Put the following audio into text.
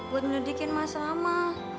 buat melidikin mas rama